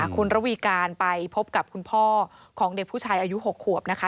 คุณระวีการไปพบกับคุณพ่อของเด็กผู้ชายอายุ๖ขวบนะคะ